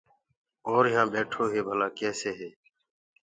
اور يهآنٚ ٻيٺو هي ڀلآ ڪيسي هي۔